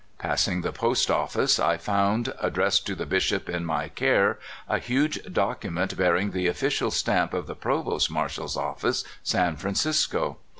Passing the post office, I found, addressed to the Bishop in m}^ care, a huge document bear ing the official stamp of the provost marshal's of fice, San Francisco.